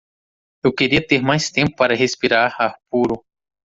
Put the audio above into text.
eu queria ter mais tempo para respirar ar puro